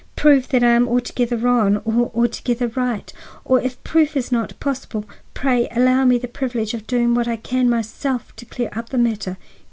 Prove that I am altogether wrong or altogether right. Or if proof is not possible, pray allow me the privilege of doing what I can myself to clear up the matter."